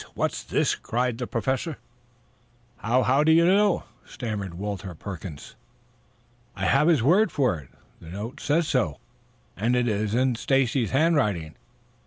What's this?" cried the Professor. "How how do you know?" stammered Walter Perkins. "I have his word for it. This note says so, and it is in Stacy's handwriting.